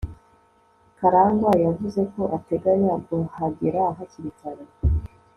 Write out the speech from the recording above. karangwa yavuze ko ateganya kuhagera hakiri kare